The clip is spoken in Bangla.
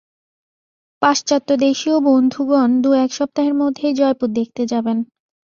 পাশ্চাত্যদেশীয় বন্ধুগণ দু-এক সপ্তাহের মধ্যেই জয়পুর দেখতে যাবেন।